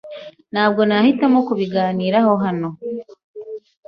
Ntabwo nahitamo kubiganiraho hano.